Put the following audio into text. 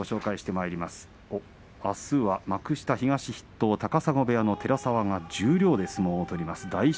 あすは幕下東筆頭高砂部屋の寺沢が十両で相撲を取ります。